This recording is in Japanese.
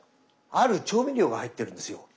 ある調味料が入っているんですよ。